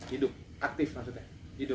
hidup aktif maksudnya